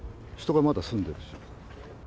人がまだ住んでる。